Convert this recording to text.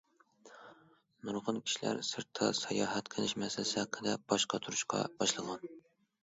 نۇرغۇن كىشىلەر سىرتتا ساياھەت قىلىش مەسىلىسى ھەققىدە باش قاتۇرۇشقا باشلىغان.